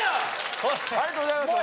ありがとうございます